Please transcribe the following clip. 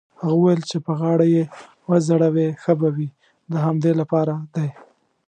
هغه وویل: چې په غاړه يې وځړوې ښه به وي، د همدې لپاره دی.